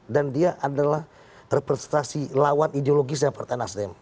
dan dia adalah representasi lawan ideologis yang partai nasdem